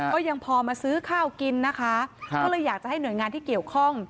ก็ยังพอมาซื้อข้าวกินนะคะก็เลยอยากจะให้หน่วยงานที่เกี่ยวข้อง